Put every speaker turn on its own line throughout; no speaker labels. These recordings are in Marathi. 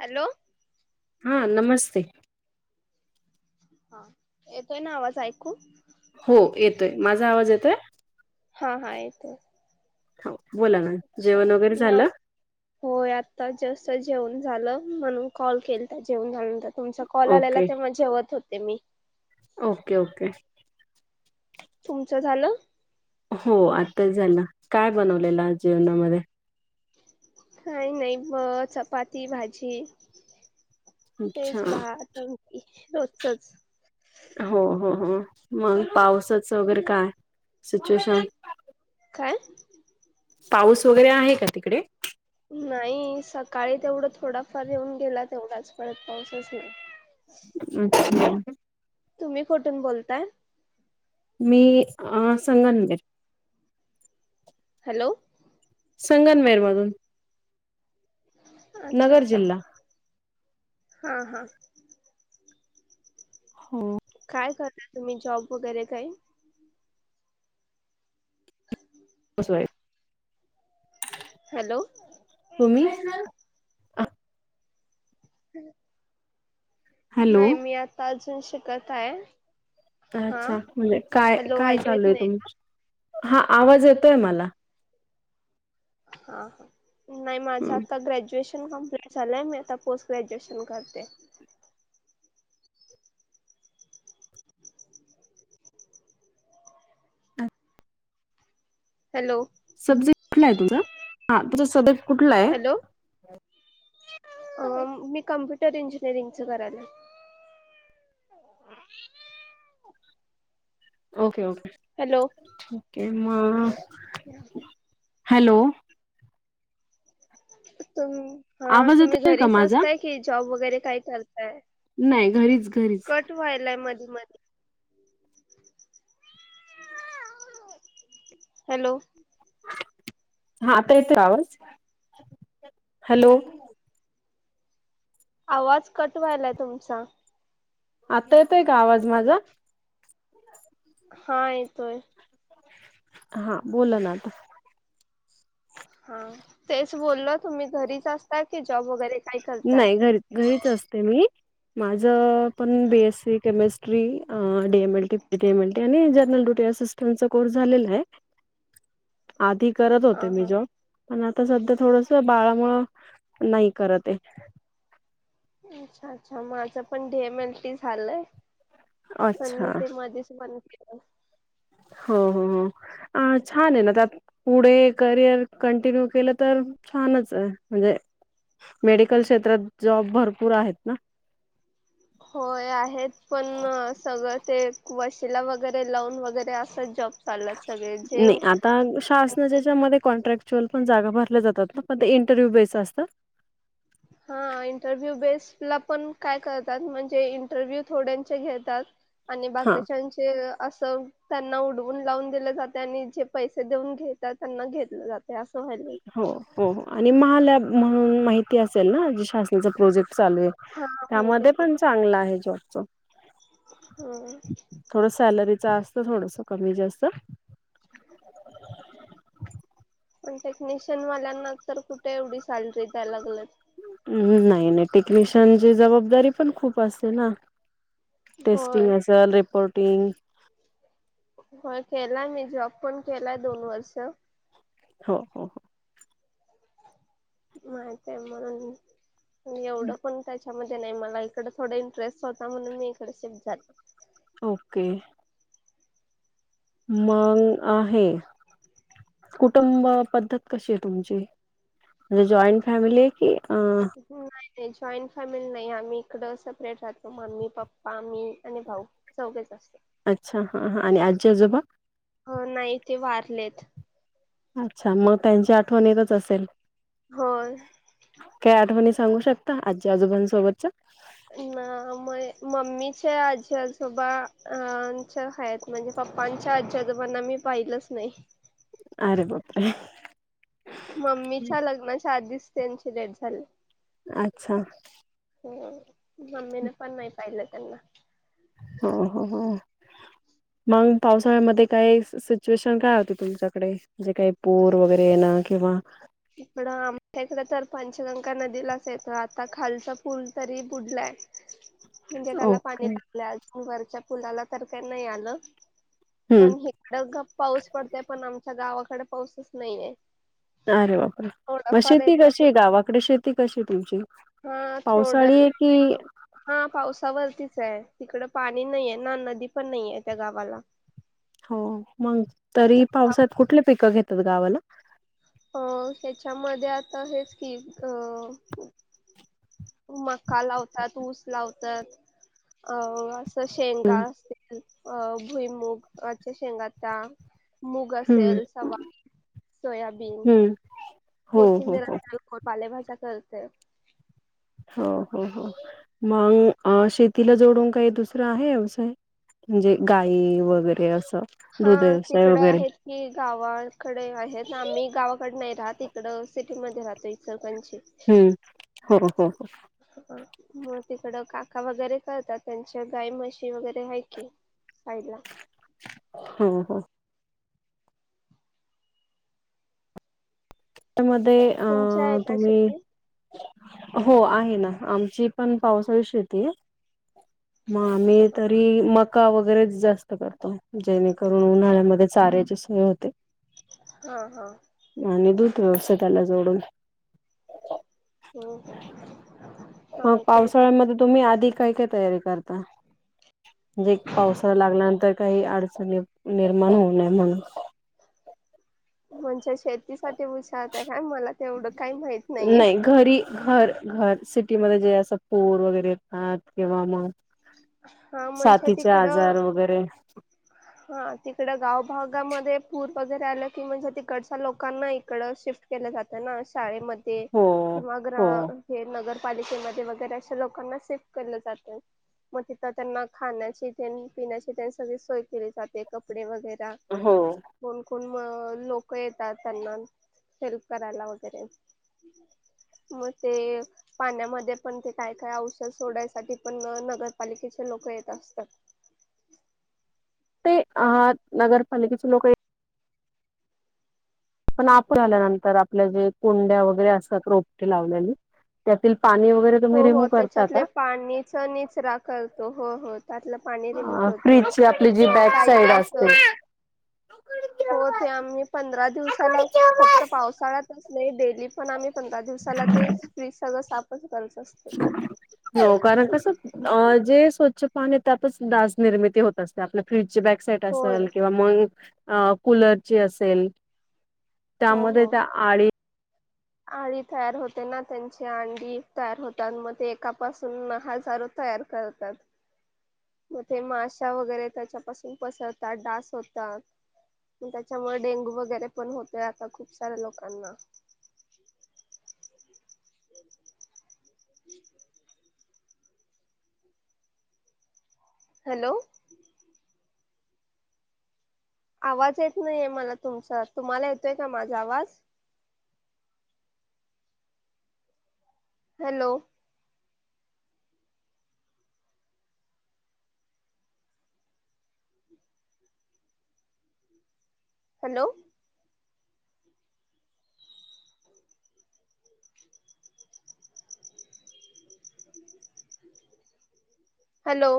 हॅलो
हा नमस्ते!
हा येतोय ना आवाज ऐकू?
हो येतोय माझा आवाज येतोय?
हा हा येतेय.
हो बोला ना. जेवण
अच्छा
वगैरे
ना
झालं
होय आत्ता जस्ट जेवण झालं म्हणून कॉल केला जेवण झाल्यानंतर. तुमचा कॉल आलेला
ओके
तेव्हा जेवत होते मी.
Okay okay.
तुमचं झालं?
हो आत्ताच झालं काय बनवलेलं जेवणामध्ये?
काय नाई ब चपाती-भाजी
अच्छा
तेच भात आमटी रोजचाच.
हो हो हो मग पावसाचा वगैरे काय सिच्युएशन
काय
पाऊस वगेरे आहे का तिकडे?
नाही सकाळी तेवढा थोडाफार येऊन गेला तेवडाच परत पाऊसच नाय.
अच्छा
तुम्ही कुठून बोलताय?
मी अ संगनमेर.
हॅलो
संगनमेर म्हणून
अच्छा
नगर
अच्छा
जिल्हा
हा हा.
हो.
काय करता तुमी जॉब वगेरे काय? [inaudible]
हाऊसवाइफ
हॅलो,
तुमी हाय ना?
[inaudible]
हॅलो
नाइ मी आता अजून शिकत हाय.
[inaudible] अच्छा म्हणजे काय काय
येत
चालू आहे
नाही
तुम,
का
हा आवाज येतोय मला.
[inaudible] हा नाइ माझं
हं.
आता ग्रॅज्युएशन कम्प्लीट सला मी आता पोस्ट ग्रॅज्युएशन करते. हॅलो.
सब्जेट कुठला आहे तुमझं हा तुं स.
हॅलो, [inaudible] आम मी कम्प्युटर इंजिनिअरिंगचं कराल [unintelligible]
ओके ओके,
हॅलो,
ठीकेय मग,
[unintelligible]
हॅलो,
हा
आवाज
तुमी
येतोय का
घरीच
माझा?
असताय कि जॉब वगेरे काइ करताय.
नाइ घरीच-घरीच,
वायलाय मदि मदी, [inaudible] [unintelligible] हॅलो,
हा आता येतोय आवाज [unintelligible] हॅलो,
आवाज कट वायलाय तुमचा,
आता येतय का आवाज माझा.
हा येतोय,
हा बोल ना आता,
हा तेच बोलल तुम्ही घरीच असता की जॉब वगैरे काय करताय
नाइ घरी घरीच असते मी माझ पण बीएससी केमेस्ट डीएमएलीडीएमएलटी आणि जनरल ड्युटी असिस्टंचा कोर्स झालेला आहे. [inaudible] आधी करत
हा
होते
हा
मी जॉब, पण आता सध्या थोडस बाळामुळ नाई करतय [unintelligible]
अच्छा अच्छा माझं पण ढयमल्टी झालंय [inaudible] पण मी
अच्छा
ते मध्येेच बन केलं
हो-हो हो, छान आहे ना त्यात, पुढे करिअर कंटिन्यू केलं तर छानच आहे. म्हणजे मेडिकल क्षेत्रात जॉब भरपूर आहेत ना,
होय आहेत पण सगळं ते वषिला वगैरे लवन वगैरे असं जॉब सला सगळे जेव
शासनाच्या म कॉन्ट्रॅक्च्युअल पण जागा भरल्या जातात ना पण ते इंटरव्ह्यू बेस असतात.
हा इंटरव्ह्यू बेस् ला पण काय करतात, म्हणजे इंटरव्ह्यू थोड्यांचे घेतात. आणि
हा
बाकीच्याचे असं त्यांना उडवून लावून दिलं जाते आणि जे पैसे देऊन घेतात त्यांना घेतलं जाते असं व्हालं
हो हो हो आणि महालॅ म्हणून माहिती असेल ना जे शासनाचा प्रोजेक्ट चालू आहे.
हा माहिती
त्यामध्ये
की
पण चांगला आहे जॉबच.
हा
[inaudible] थोडं सॅलरीच असतं थोडस कमी जास्त
[unintelligible] पण टेक्निशियन वाल्यांना तर कुठे एवढी सॅलरी द्याय लागल.
हम् नाही नाही टेक्निशियनची जबाबदारी पण खूप असते ना.
होय.
टेस्टिंग असेल रिपोर्टिंग
हो केलाय मी जॉब पण केलाय दोन वर्ष
हो हो,
माहित आहे म्हणून मी, एवढं पण त्या नाही मला इकडे थोड इंटरेस्ट होता म्हणून मी इकडे शिफ्ट झाले.
ओके. मग आहे, कुटुंब पद्धत कशी आहे तुमची? म्हणजे जॉईन फॅमिली आहे की अ
नाही नाही जॉईंन फॅमिली नाही आम्ही इकडं सेपरेट राहतो मम्मी, पप्पा, मी आणि भाऊ. चौघच असते.
अच्छा हा हा आणि आजी, आजोबा.
हो नाही ते वारलेत.
अच्छा मग त्यांची आठवण येतच असेल.
हो.
काही आठवणी सांगू शकता आजी आजोबांसोबतच.
ना म मम्मीचे आजी आजोबा अ च्या आहेत. म्हणजे पप्पांच्या आजी आजोबांना मी पाहिलंच नाही.
अरे बापरे.
मम्मीच्या लग्नाच्या आधीच त्यांची डेट झाली.
अच्छा.
हो मम्मीन पण नाही पाहिलं त्यांना.
हो हो हो. मग पावसाळ्यामध्ये काही सिच्युएशन काय होती तुमच्याकडे जे काही पूर वगैरे ये ना किंवा
इकडं आमच्या इकड तर पंचगंगा नदीलाचा येत आता खालचा पूल तरी बुडलाय.
[inaudible]
म्हणजे त्याला पाणी
ओके
लागले अजून वरच्या पुलाला तर काही नाही आलं,
हम्म
पण अ ग पाऊस पडतय पण आमच्या गावाकड पाऊसच नाही आहे.
अरे बापरे, मग शेती
येतो
कशी
आणि
आहे गावाकडे शेती कशी आहे तुमची?
हा थोड्या
पावसाळी की
हा पावसावरतीच आहे तिकड पाणी नाही आहे ना नदी पण नाहीे त्या गावाला.
हो मग तरी पावसात कुठल पिकं घेतात गावाला.
अ ह्याच्यामध्ये आता हेच की अ मका लावतात, ऊस लावतात अ शेंगा
हम्म
असतील अ भुईमुगच्या शेंगाचा. मुग
हम्म
असेल सवारी, सोयाबीन.
हम्म हो हो
कोथिंबीर
हो
[unintelligible] पालेभाजा करते.
हो हो हो मग शेतीला जोडून काय दुसरं आहे व्यवसाय. म्हणजे गाई वगैरे असं
हा
दुध व्यवसाय
तिकडं
वगैरे.
आहेत की गावाकडे आहेत ना मी गावाकडे नाही राहत इकड सिटीमध्ये राहतो इचलकरंजी.
हम्म हो हो हो.
हा मग तिकडं काका वगैरे करतात त्यांच्या गाई म्हशी वगैरे आहे की. पाहिला.
हो हो. [unintelligible] मध्ये
तुमच्या आहे
अं
का
तुम्ही
शेती
हो आहे ना आमची पण पावसाळी शेती आहे. मग
हा
आम्ही
हा
तरी मग मका वगैरेच जास्त करतो जेणेकरून उन्हाळ्यामध्ये चाऱ्याची सोय होते.
हा हा.
आणि दूध व्यवस्था त्याला जोडून.
हम्म हम्म.
हो पावसाळ्यामध्ये तुम्ही आधी काय काय तयारी करता. जे पावसाला लागल्यानंतर. काही अडचणे निर्माण होऊ नये म्हणून.
म्हणच्या शेतीसाठी हुशारत आहे काय मला तेवढं काही माहित नाहीये.
नाही घरी घर घर सिटीमध्ये जे असं पूर वगैरे येतात किंवा मग
हा म्हणजे
सातीचे
तिकडं
आजार वगैरे.
हा तिकड गाव भागामध्ये पूर वगैरे आलं की म्हणजे तिकडच्या लोकांना इकडं शिफ्ट केलं जातं ना शाळेम ध्ये
हो
किंवा ग्रा
हो
हे नगरपालिकेमध्ये वगैरे अशा लोकांना शिफ्ट केलं जातं. मग तिथं त्यांना खाण्याची तेन, पिण्याची तेन सगळी सोय केली जाते कपडे वगैरा.
हो.
कोण कोण लोक येतात त्यांना हेल्प करायला वगैरे. मग ते पाण्यामध्ये पण ते काय काय औषध सोडायसाठी पण नगर पालिकेचे लोक येत असतात.
ते आह त नगरपालिकेचे लोक ये- - पण आपण आल्यानंतर आपल्या जे कुंड्या वगैरे असतात रोपटे लावलेली. त्यातील पाणी वगैरे तुम्ही
हो. हो.
रिमूव्ह करता
त्याच्यातले
का
पाणीचा निचरा करतो हो, हो. त्यातलं पाणी रिमूव होत
फ्रीजची आपली जी
अ
बॅक
काही
साईड असते
असं हो. ते आम्ही पंधरा दिवसा ला फक्त पावसाळ्यातच नाही डेली पण आम्ही पंधरा दिवसाला ते फ्रीज सगळं साफच करत असतो.
हो. कारण कस जे स्वच्छ पान त्यातच डास निर्मिती होत आपली फ्रीजची बॅकसाइट
होय
असेल किंवा मग कूलरची असेल.
हो हो.
त्यामध्ये त्या आळी - -
आळी तयार होते ना त्यांचे अंडी तयार होतात, मग ते एकापासून हजारो तयार करतात. मग ते माशा वगैरे त्याच्यापासून पसरतात. डास होतात. त्याच्यामुळे डेंगू वगैरे पण होतेय आता खूप साऱ्या लोकांना. हॅलो. आवाज येत नाहीये मला तुमचा. तुम्हाला येतोय का माझा आवाज? Hello. Hello. Hello.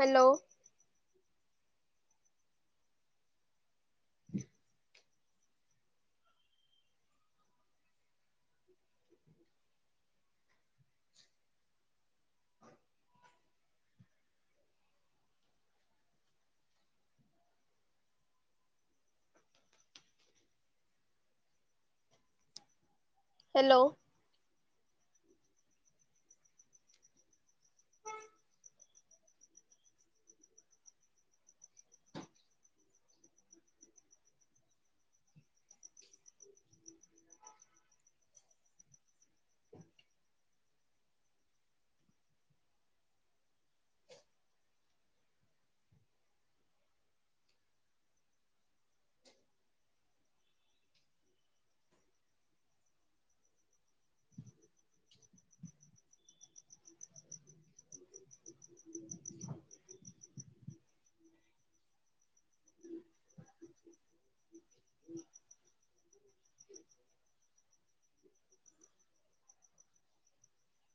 Hello. [inaudible] Hello.